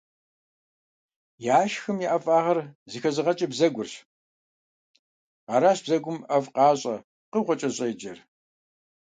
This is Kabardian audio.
Яшхым и ӀэфӀагъыр зэхэзыгъэкӀыр бзэгурщ, аращ бзэгум ӀэфӀкъащӀэ пкъыгъуэкӀэ щӀеджэр.